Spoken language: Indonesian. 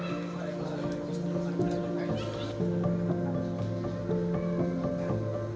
masjid agung keraton kesultanan buton